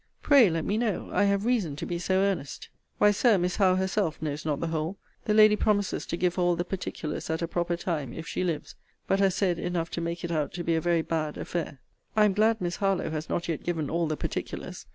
Pray let me know. I have reason to be so earnest. Why, Sir, Miss Howe herself knows not the whole. The lady promises to give her all the particulars at a proper time, if she lives; but has said enough to make it out to be a very bad affair. I am glad Miss Harlowe has not yet given all the particulars.